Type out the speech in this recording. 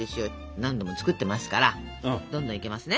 何度も作ってますからどんどんいけますね。